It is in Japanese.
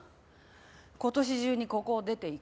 今年中にここを出ていく。